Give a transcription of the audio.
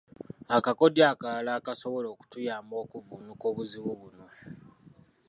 Akakodyo akalala akasobola okutuyamba okuvvuunuka obuzibu buno.